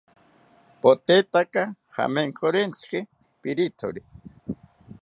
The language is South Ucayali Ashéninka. Potetaka jamenkorentziki pirithori